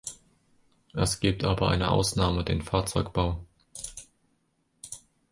Es gibt aber eine Ausnahme den Fahrzeugbau.